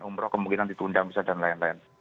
umroh kemungkinan ditundang bisa dan lain lain